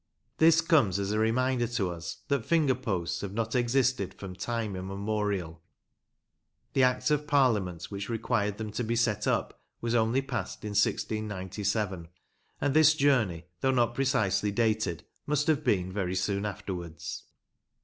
This comes as a reminder to us that finger posts have not existed from time immemorial. The Act of Parliament which required them to be set up was only passed in 1697, and this journey, though not precisely dated, must have been very soon afterwards.